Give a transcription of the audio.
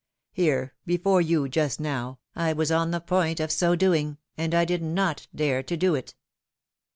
Here, before you, just now, I was on the point of so doing, and I did not dare to do it.